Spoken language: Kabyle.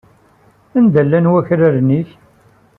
Anda llan wakraren-nnek?